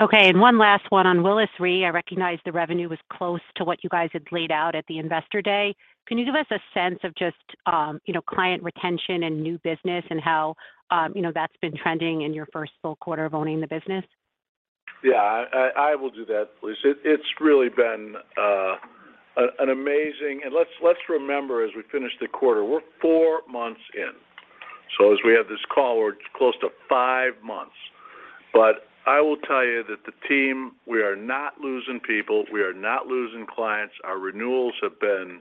Okay. One last one on Willis Re. I recognize the revenue was close to what you guys had laid out at the Investor Day. Can you give us a sense of just, you know, client retention and new business and how, you know, that's been trending in your first full quarter of owning the business? Yeah. I will do that, Elyse. It's really been an amazing. Let's remember as we finish the quarter, we're four months in. As we have this call, we're close to five months. I will tell you that the team, we are not losing people, we are not losing clients, our renewals have been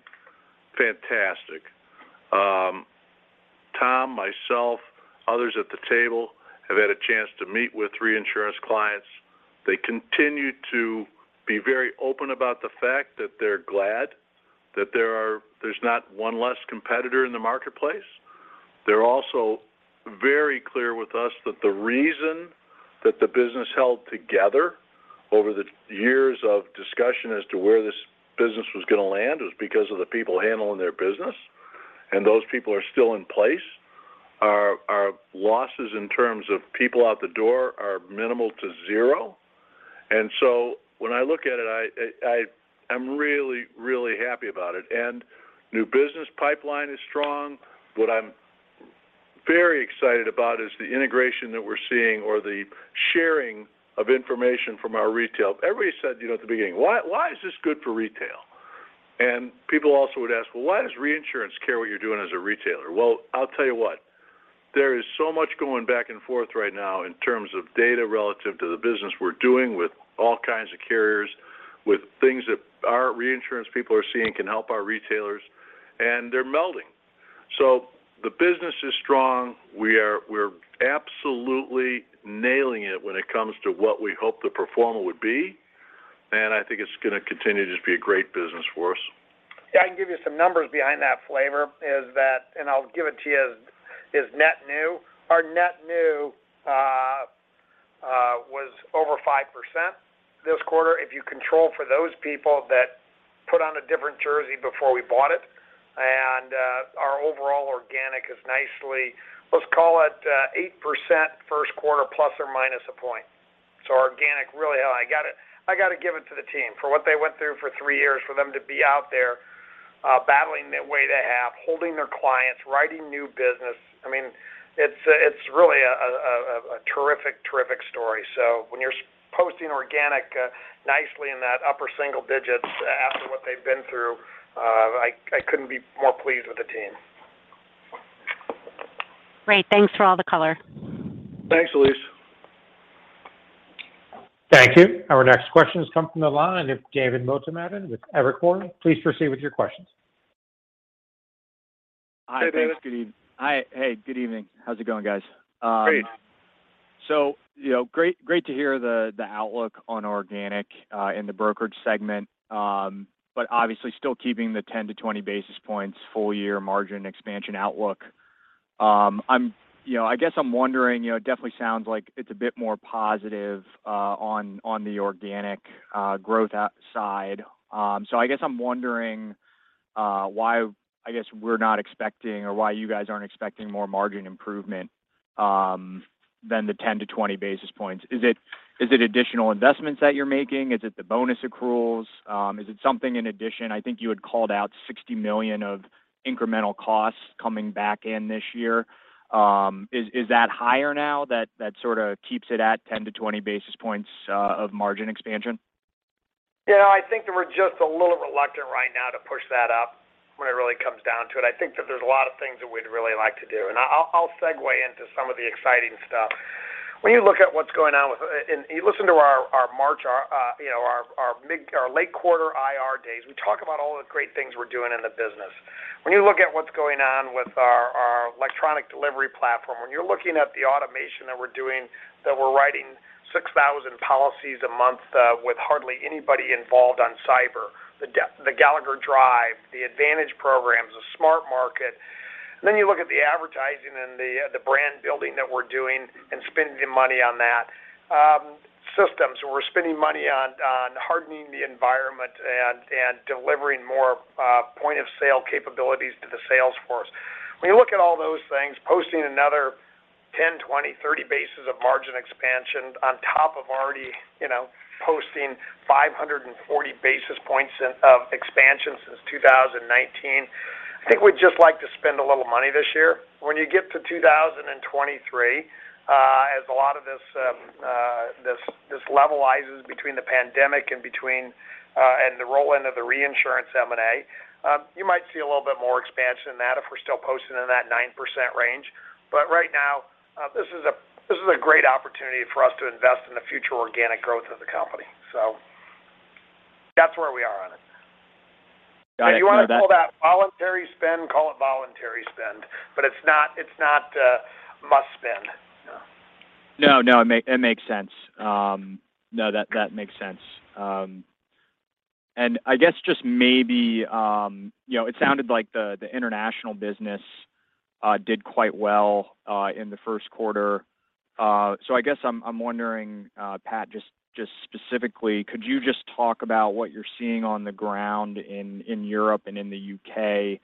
fantastic. Tom, myself, others at the table have had a chance to meet with reinsurance clients. They continue to be very open about the fact that they're glad that there's not one less competitor in the marketplace. They're also very clear with us that the reason that the business held together over the years of discussion as to where this business was gonna land is because of the people handling their business, and those people are still in place. Our losses in terms of people out the door are minimal to zero. When I look at it, I'm really happy about it. New business pipeline is strong. What I'm very excited about is the integration that we're seeing or the sharing of information from our retail. Everybody said, you know, at the beginning, "Why is this good for retail?" People also would ask, "Well, why does reinsurance care what you're doing as a retailer?" Well, I'll tell you what, there is so much going back and forth right now in terms of data relative to the business we're doing with all kinds of carriers, with things that our reinsurance people are seeing can help our retailers, and they're melding. The business is strong. We're absolutely nailing it when it comes to what we hope the pro forma would be, and I think it's gonna continue to just be a great business for us. Yeah. I can give you some numbers behind that flavor, and I'll give it to you as net new. Our net new was over 5% this quarter if you control for those people that put on a different jersey before we bought it. Our overall organic is nicely, let's call it, 8% first quarter plus or minus a point. Organic really, I gotta give it to the team for what they went through for three years for them to be out there battling the way they have, holding their clients, writing new business. I mean, it's really a terrific story. When you're posting organic nicely in that upper single digits after what they've been through, I couldn't be more pleased with the team. Great. Thanks for all the color. Thanks, Elyse. Thank you. Our next question has come from the line of David Motemaden with Evercore. Please proceed with your questions. Hi, David. Hey, David. Hi. Hey, good evening. How's it going, guys? Great. You know, great to hear the outlook on organic in the brokerage segment. Obviously still keeping the 10-20 basis points full year margin expansion outlook. I'm, you know, I guess I'm wondering, you know, it definitely sounds like it's a bit more positive on the organic growth outside. I guess I'm wondering why, I guess, we're not expecting or why you guys aren't expecting more margin improvement than the 10-20 basis points. Is it additional investments that you're making? Is it the bonus accruals? Is it something in addition? I think you had called out $60 million of incremental costs coming back in this year. Is that higher now that sort of keeps it at 10-20 basis points of margin expansion? Yeah. I think that we're just a little reluctant right now to push that up when it really comes down to it. I think that there's a lot of things that we'd really like to do, and I'll segue into some of the exciting stuff. When you look at what's going on with and you listen to our March, our mid, our late quarter IR days, we talk about all the great things we're doing in the business. When you look at what's going on with our electronic delivery platform, when you're looking at the automation that we're doing, that we're writing 6,000 policies a month, with hardly anybody involved on cyber, the Gallagher Drive, the advantage programs, the Smart Market. You look at the advertising and the brand building that we're doing and spending the money on that. Systems, we're spending money on hardening the environment and delivering more point-of-sale capabilities to the sales force. When you look at all those things, posting another 10, 20, 30 basis points of margin expansion on top of already posting 540 basis points of expansion since 2019, I think we'd just like to spend a little money this year. When you get to 2023, as a lot of this levelizes between the pandemic and the roll-in of the reinsurance M&A, you might see a little bit more expansion in that if we're still posting in that 9% range. Right now, this is a great opportunity for us to invest in the future organic growth of the company. That's where we are on it. Got you. If you wanna call that voluntary spend, call it voluntary spend, but it's not must spend. No, it makes sense. No, that makes sense. I guess just maybe, you know, it sounded like the international business did quite well in the first quarter. I guess I'm wondering, Pat, just specifically, could you just talk about what you're seeing on the ground in Europe and in the U.K.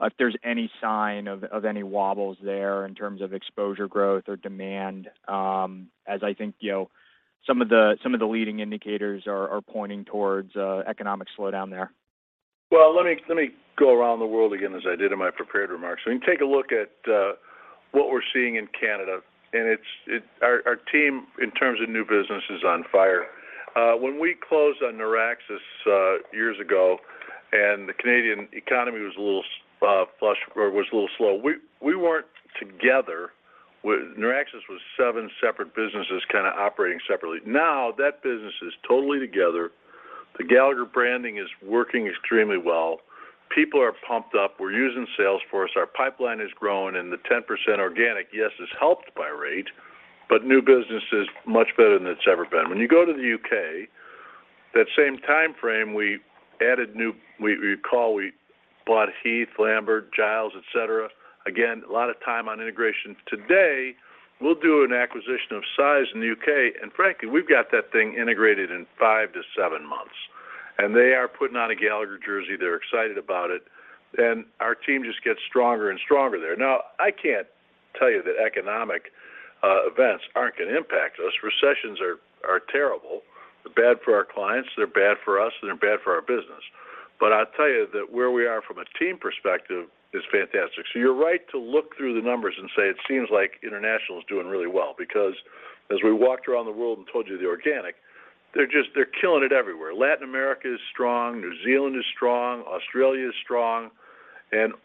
If there's any sign of any wobbles there in terms of exposure growth or demand, as I think, you know, some of the leading indicators are pointing towards economic slowdown there. Well, let me go around the world again, as I did in my prepared remarks. We can take a look at what we're seeing in Canada, and it's our team in terms of new business is on fire. When we closed on Noraxis years ago and the Canadian economy was a little flush or was a little slow, we weren't together with Noraxis was seven separate businesses kind of operating separately. Now that business is totally together. The Gallagher branding is working extremely well. People are pumped up. We're using Salesforce. Our pipeline has grown, and the 10% organic, yes, is helped by rate, but new business is much better than it's ever been. When you go to the U.K., that same timeframe, we added new. We call, we bought Heath Lambert, Giles, et cetera. Again, a lot of time on integration. Today, we'll do an acquisition of size in the U.K., and frankly, we've got that thing integrated in five to seven months. They are putting on a Gallagher jersey. They're excited about it, and our team just gets stronger and stronger there. Now, I can't tell you that economic events aren't gonna impact us. Recessions are terrible. They're bad for our clients, they're bad for us, and they're bad for our business. I'll tell you that where we are from a team perspective is fantastic. You're right to look through the numbers and say, it seems like international is doing really well because as we walked around the world and told you they're organic, they're just killing it everywhere. Latin America is strong. New Zealand is strong. Australia is strong.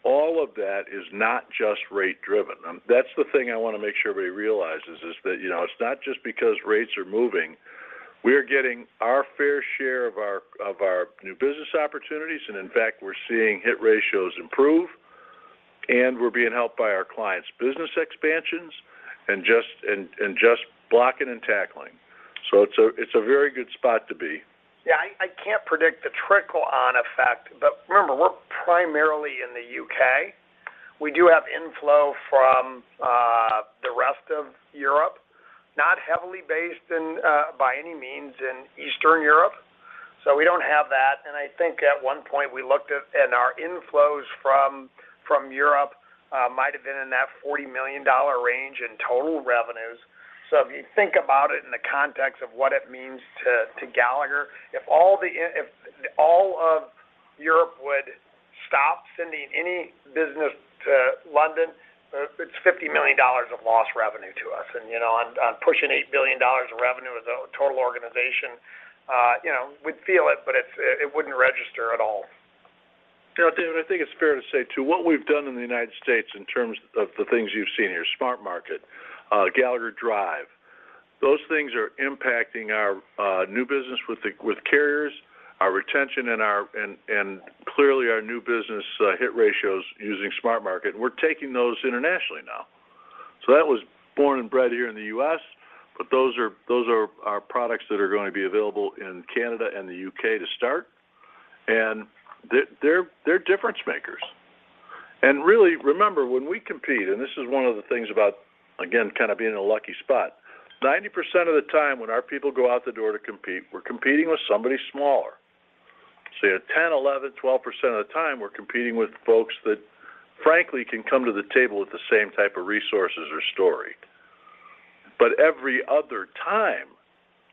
All of that is not just rate driven. That's the thing I wanna make sure everybody realizes is that, you know, it's not just because rates are moving. We are getting our fair share of our new business opportunities, and in fact, we're seeing hit ratios improve, and we're being helped by our clients' business expansions and just blocking and tackling. It's a very good spot to be. Yeah. I can't predict the trickle-on effect, but remember, we're primarily in the U.K. We do have inflow from the rest of Europe, not heavily based in by any means in Eastern Europe. So we don't have that. I think at one point we looked at our inflows from Europe might have been in that $40 million range in total revenues. So if you think about it in the context of what it means to Gallagher, if all of Europe would stop sending any business to London, it's $50 million of lost revenue to us. You know, on pushing $8 billion of revenue as a total organization, you know, we'd feel it, but it wouldn't register at all. You know, David, I think it's fair to say, too, what we've done in the United States in terms of the things you've seen here, Smart Market, Gallagher Drive, those things are impacting our new business with carriers, our retention, and clearly our new business hit ratios using Smart Market. We're taking those internationally now. That was born and bred here in the U.S, but those are our products that are gonna be available in Canada and the U.K to start. They're difference makers. Really, remember, when we compete, and this is one of the things about, again, kind of being in a lucky spot. 90% of the time when our people go out the door to compete, we're competing with somebody smaller. Yeah, 10%, 11%, 12% of the time, we're competing with folks that frankly can come to the table with the same type of resources or story. Every other time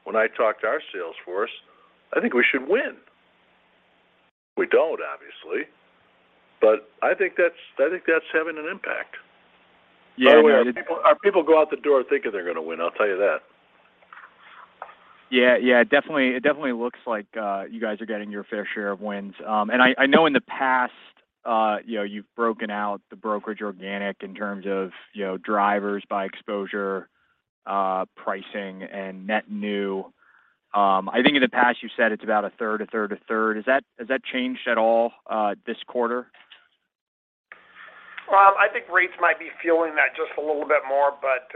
when I talk to our sales force, I think we should win. We don't obviously, but I think that's having an impact. Yeah. I mean. By the way, our people go out the door thinking they're gonna win. I'll tell you that. Yeah. Yeah. Definitely. It definitely looks like you guys are getting your fair share of wins. I know in the past, you know, you've broken out the brokerage organic in terms of, you know, drivers by exposure, pricing, and net new. I think in the past you said it's about a third, a third, a third. Is that, has that changed at all this quarter? I think rates might be fueling that just a little bit more, but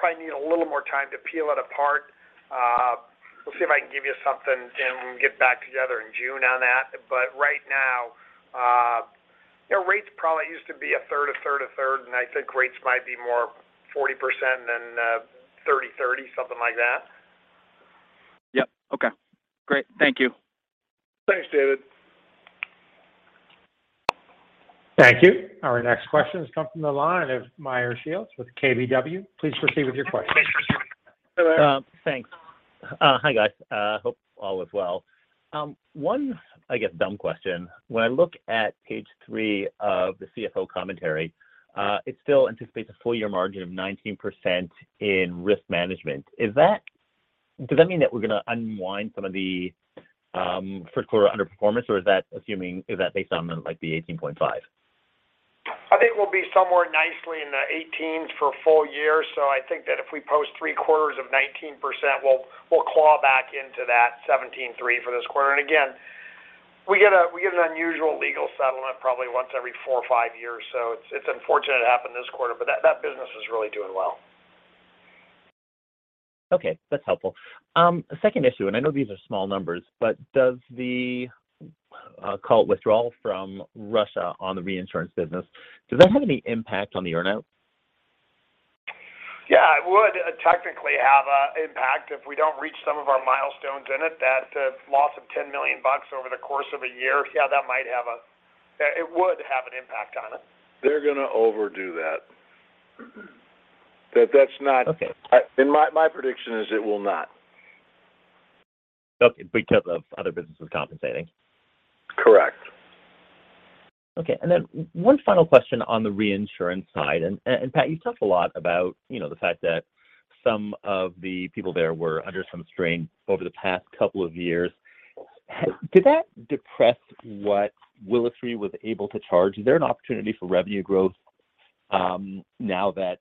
probably need a little more time to peel it apart. We'll see if I can give you something, Jim, when we get back together in June on that. Right now, you know, rates probably used to be a third, a third, a third, and I think rates might be more 40% than 30-30, something like that. Yep. Okay. Great. Thank you. Thanks, David. Thank you. Our next question has come from the line of Meyer Shields with KBW. Please proceed with your question. Hey there. Thanks. Hi, guys. Hope all is well. One, I guess, dumb question. When I look at page three of the CFO Commentary, it still anticipates a full year margin of 19% in risk management. Does that mean that we're gonna unwind some of the first quarter underperformance, or is that assuming? Is that based on the, like, the 18.5%? I think we'll be somewhere nicely in the 18s for a full year. I think that if we post three quarters of 19%, we'll claw back into that 17.3 for this quarter. We get an unusual legal settlement probably once every four or five years. It's unfortunate it happened this quarter, but that business is really doing well. Okay, that's helpful. Second issue, and I know these are small numbers, but does the, I'll call it, withdrawal from Russia on the reinsurance business, does that have any impact on the earnout? Yeah, it would technically have an impact if we don't reach some of our milestones in it, that loss of $10 million over the course of a year. Yeah, that might have an impact. It would have an impact on it. They're gonna overdo that. Okay. My prediction is it will not. Okay. Because of other businesses compensating. Correct. Okay. Then one final question on the reinsurance side. Pat, you talked a lot about, you know, the fact that some of the people there were under some strain over the past couple of years. Did that depress what Willis Re was able to charge? Is there an opportunity for revenue growth, now that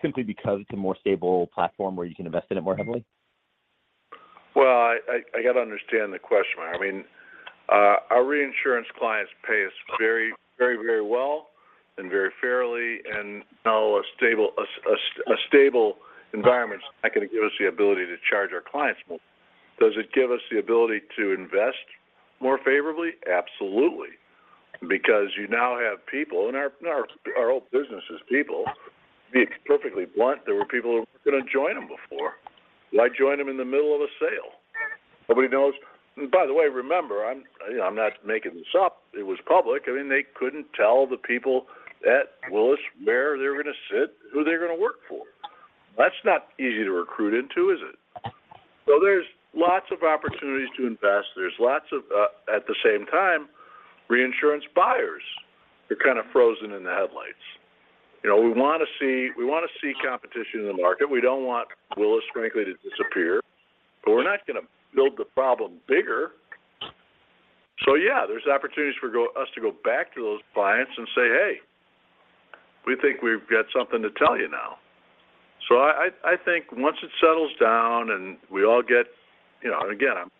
simply because it's a more stable platform where you can invest in it more heavily? Well, I got to understand the question. I mean, our reinsurance clients pay us very well and very fairly, and now a stable environment is not gonna give us the ability to charge our clients more. Does it give us the ability to invest more favorably? Absolutely. Because you now have people, and our whole business is people. To be perfectly blunt, there were people who weren't gonna join them before. Why join them in the middle of a sale? Nobody knows. By the way, remember, you know, I'm not making this up. It was public. I mean, they couldn't tell the people at Willis where they're gonna sit, who they're gonna work for. That's not easy to recruit into, is it? There's lots of opportunities to invest. At the same time, reinsurance buyers are kind of frozen in the headlights. You know, we wanna see competition in the market. We don't want Willis Re, frankly, to disappear, but we're not gonna build the problem bigger. Yeah, there's opportunities for us to go back to those clients and say, "Hey, we think we've got something to tell you now." I think once it settles down and we all get, you know. Again, I'm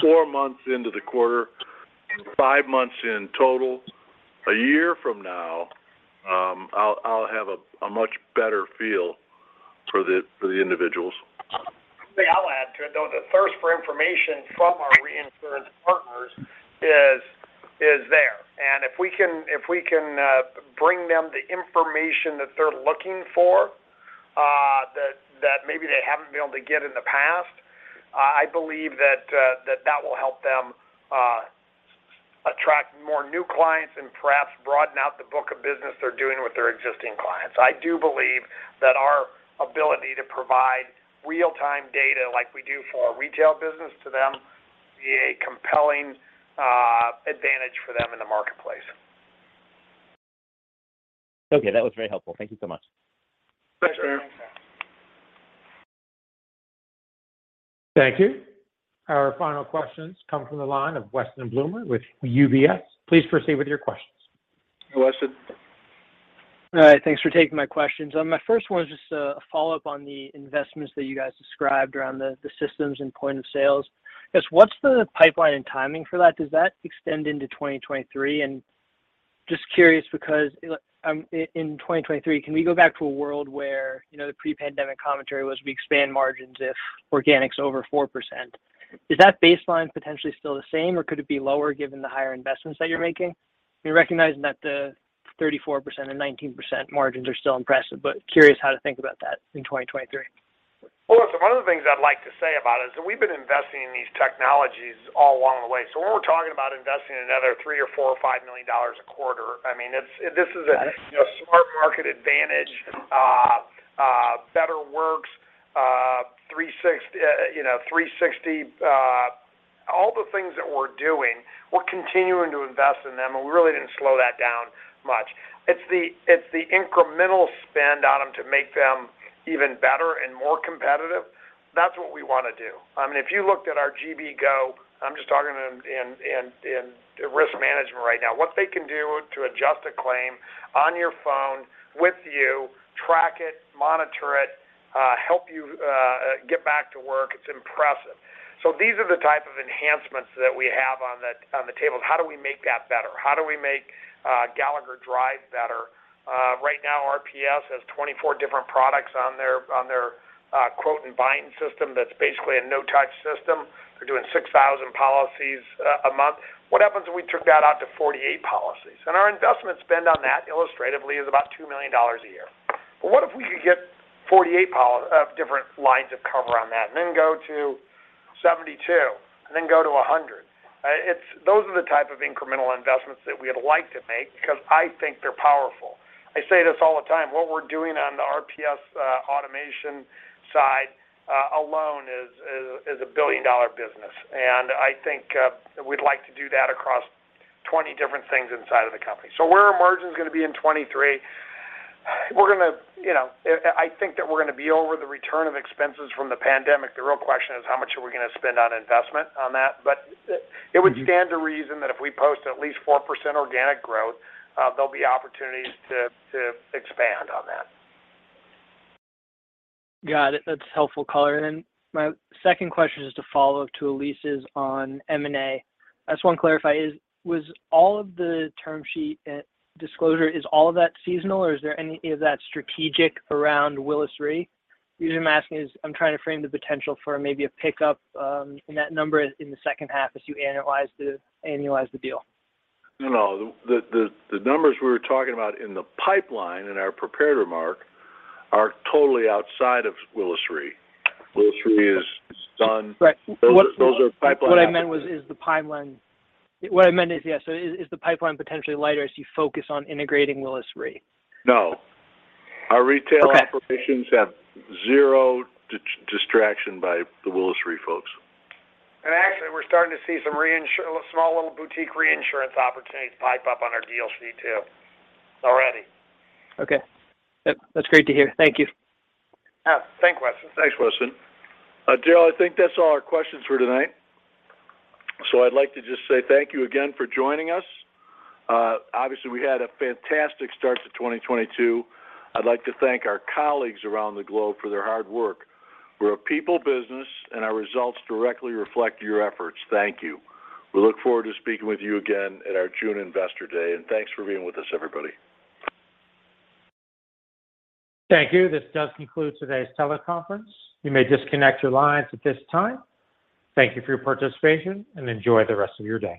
four months into the quarter, five months in total. A year from now, I'll have a much better feel for the individuals. The thing I'll add to it, though, the thirst for information from our reinsurance partners is there. If we can bring them the information that they're looking for, that maybe they haven't been able to get in the past, I believe that that will help them attract more new clients and perhaps broaden out the book of business they're doing with their existing clients. I do believe that our ability to provide real-time data like we do for our retail business to them be a compelling advantage for them in the marketplace. Okay, that was very helpful. Thank you so much. Thanks. Thank you. Our final questions come from the line of Weston Bloomer with UBS. Please proceed with your questions. Weston. All right. Thanks for taking my questions. My first one is just a follow-up on the investments that you guys described around the systems and point of sale. Just what's the pipeline and timing for that? Does that extend into 2023? Just curious because in 2023, can we go back to a world where, you know, the pre-pandemic commentary was we expand margins if organic's over 4%. Is that baseline potentially still the same, or could it be lower given the higher investments that you're making? You're recognizing that the 34% and 19% margins are still impressive, but curious how to think about that in 2023. Well, listen, one of the things I'd like to say about it is we've been investing in these technologies all along the way. When we're talking about investing another $3 million, $4 million or $5 million a quarter, I mean it's this is a, you know, Smart Market advantage, Better Works, CORE360, you know, CORE360. All the things that we're doing, we're continuing to invest in them, and we really didn't slow that down much. It's the incremental spend on them to make them even better and more competitive. That's what we wanna do. I mean, if you looked at our GB Go, I'm just talking in risk management right now. What they can do to adjust a claim on your phone with you track it, monitor it, help you get back to work, it's impressive. These are the type of enhancements that we have on the table. How do we make that better? How do we make Gallagher Drive better? Right now, RPS has 24 different products on their quote and buying system that's basically a no-touch system. They're doing 6,000 policies a month. What happens if we took that out to 48 policies? Our investment spend on that illustratively is about $2 million a year. What if we could get 48 different lines of cover on that, and then go to 72, and then go to 100? Those are the type of incremental investments that we'd like to make because I think they're powerful. I say this all the time. What we're doing on the RPS automation side alone is a billion-dollar business. I think we'd like to do that across 20 different things inside of the company. Where are margins gonna be in 2023? You know, I think that we're gonna be over the return of expenses from the pandemic. The real question is how much are we gonna spend on investment on that. It would stand to reason that if we post at least 4% organic growth, there'll be opportunities to expand on that. Got it. That's helpful color. My second question is to follow to Elyse's on M&A. I just want to clarify. Is all of the term sheet disclosure seasonal, or is there any of that strategic around Willis Re? The reason I'm asking is I'm trying to frame the potential for maybe a pickup in that number in the second half as you annualize the deal. No. The numbers we were talking about in the pipeline in our prepared remark are totally outside of Willis Re. Willis Re is done. Right. Those are pipeline. What I meant is, yeah, so is the pipeline potentially lighter as you focus on integrating Willis Re? No. Okay. Our retail operations have zero distraction by the Willis Re folks. Actually, we're starting to see some small little boutique reinsurance opportunities pipe up on our DLC too already. Okay. That, that's great to hear. Thank you. Yeah. Thanks, Weston. Thanks, Weston. Darrel, I think that's all our questions for tonight. I'd like to just say thank you again for joining us. Obviously, we had a fantastic start to 2022. I'd like to thank our colleagues around the globe for their hard work. We're a people business, and our results directly reflect your efforts. Thank you. We look forward to speaking with you again at our June Investor Day. Thanks for being with us, everybody. Thank you. This does conclude today's teleconference. You may disconnect your lines at this time. Thank you for your participation, and enjoy the rest of your day.